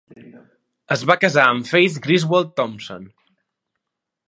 Es va casar amb Faith Griswold Thompson.